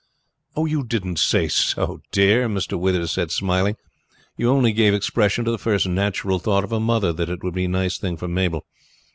"You didn't say so, dear," Mr. Withers said smiling. "You only gave expression to the first natural thought of a mother that it would be a nice thing for Mabel.